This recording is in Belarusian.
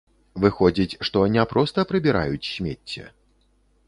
Выходзіць, што не проста прыбіраюць смецце.